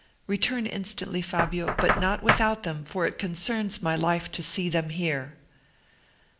Return instantly, Fabio, but not without them, for it concerns my life to see them here."